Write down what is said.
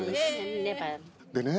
でね